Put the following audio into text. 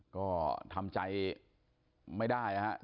ก็ทำใจไม่ได้นะครับ